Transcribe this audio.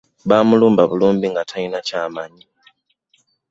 Baamulumba bulumbi nga talina ky'amanyi.